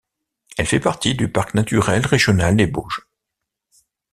Elle fait partie du Parc Naturel Régional des Bauges.